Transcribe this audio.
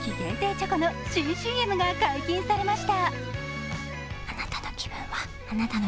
チョコの新ＣＭが解禁されました。